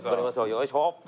よいしょ！